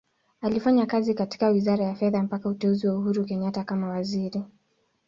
Alifanya kazi katika Wizara ya Fedha mpaka uteuzi wa Uhuru Kenyatta kama Waziri.